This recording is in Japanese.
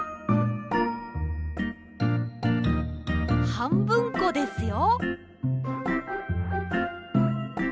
はんぶんこですよ。